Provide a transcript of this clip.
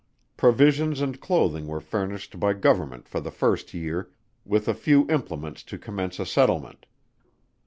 Provisions and clothing were furnished by Government for the first year, with a few implements to commence a settlement.